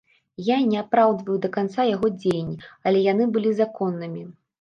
Я не апраўдваю да канца яго дзеянні, але яны былі законнымі.